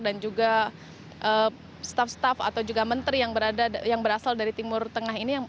dan juga staff staff atau juga menteri yang berasal dari timur tengah ini